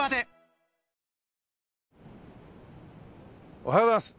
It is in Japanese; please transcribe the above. おはようございます。